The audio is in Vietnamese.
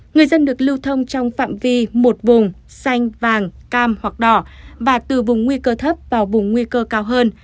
người dân được lưu thông trong phạm vi một vùng xanh vàng cam hoặc đỏ và từ vùng nguy cơ thấp vào vùng nguy cơ cao hơn